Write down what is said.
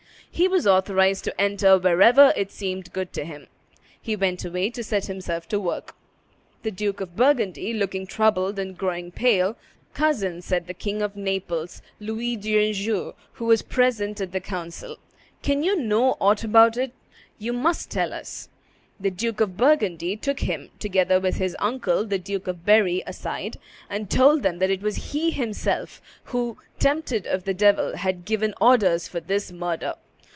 He was authorized to enter wherever it seemed good to him. He went away to set himself to work. The Duke of Burgundy, looking troubled and growing pale, "Cousin," said the King of Naples, Louis d'Anjou, who was present at the council, "can you know aught about it? You must tell us." The Duke of Burgundy took him, together with his uncle, the Duke of Berry, aside, and told them that it was he himself who, tempted of the devil, had given orders for this murder.